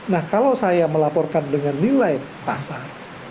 nah kalau saya melaporkan dengan nilai pasar